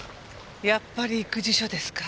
やっぱり育児書ですか。